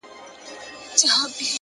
وخت د ژوند تر ټولو عادل قاضي دی؛